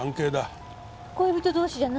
恋人同士じゃないの？